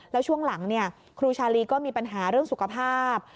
แล้วช่วงหลังครูชาลีก็มีปัญหาเรื่องสุขภาพ